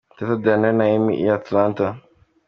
Teta Diana na Emmy i Atlanta.